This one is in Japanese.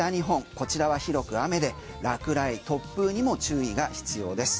こちらは広く雨で落雷、突風にも注意が必要です。